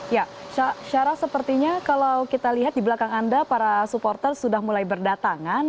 ya syarah sepertinya kalau kita lihat di belakang anda para supporter sudah mulai berdatangan